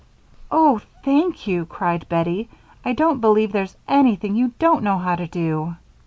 "Oh, thank you!" cried Bettie. "I don't believe there's anything you don't know how to do."